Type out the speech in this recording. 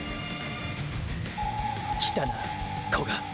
来たな古賀。